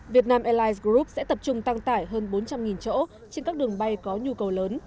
việt nam airlines group sẽ tập trung tăng tải hơn bốn trăm linh chỗ trên các đường bay có nhu cầu lớn